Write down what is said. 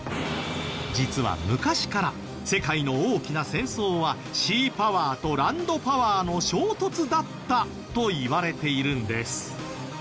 実は昔から世界の大きな戦争はシーパワーとランドパワーの衝突だったといわれているんです。